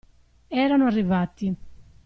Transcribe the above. Erano arrivati.